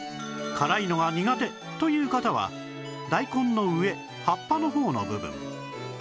辛いのが苦手という方は大根の上葉っぱの方の部分